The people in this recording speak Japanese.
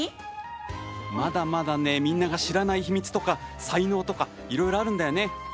まだまだ、みんなが知らない秘密とか才能とかいろいろあるんだよね。